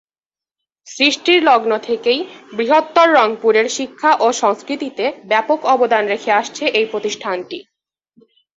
সৃষ্টির লগ্ন থেকেই বৃহত্তর রংপুরের শিক্ষা ও সংস্কৃতিতে ব্যাপক অবদান রেখে আসছে এই প্রতিষ্ঠানটি।